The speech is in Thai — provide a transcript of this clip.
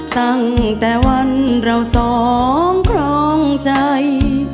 ตั้งแต่วันเราสองครองใจ